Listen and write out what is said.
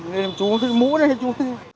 nên chú không thích mũ này chú